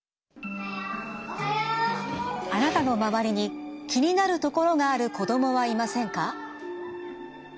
あなたの周りに気になるところがある子どもはいませんか？